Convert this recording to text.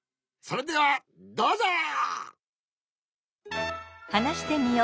それではどうぞ！